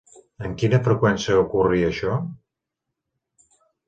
Amb quina freqüència ocorria això?